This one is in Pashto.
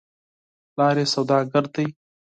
پلار یې سودا ګر دی .